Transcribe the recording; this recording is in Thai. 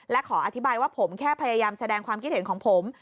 และขออธิบายว่าผมแค่พยายามแสดงความคิดเห็นของผม